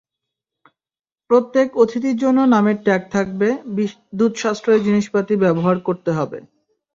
প্রত্যক অতিথির জন্য নামের ট্যাগ থাকবে বিদ্যুৎ সাশ্রয়ী জিনিসপাতি ব্যবহার করতে হবে।